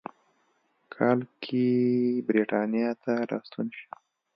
کال کې د برېټانیا ته راستون شو.